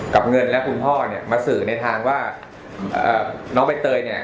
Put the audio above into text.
กับเงินและคุณพ่อเนี่ยมาสื่อในทางว่าน้องใบเตยเนี่ย